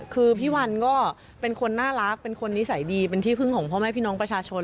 คือพี่วันก็เป็นคนน่ารักเป็นคนนิสัยดีเป็นที่พึ่งของพ่อแม่พี่น้องประชาชน